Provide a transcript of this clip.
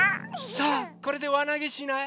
さあこれでわなげしない？